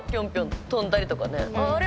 「あれ？